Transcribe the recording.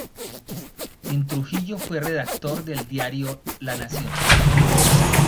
En Trujillo fue redactor del diario "La Nación".